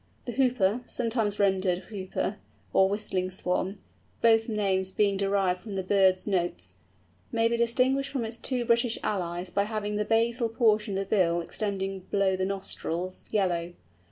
The Hooper—sometimes rendered Whooper—or Whistling Swan, both names being derived from the bird's notes, may be distinguished from its two British allies by having the basal portion of the bill extending below the nostrils, yellow.